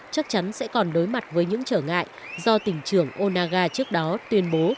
chắc chắn sẽ còn đối mặt với những trở ngại do tỉnh trưởng onaga trước đó tuyên bố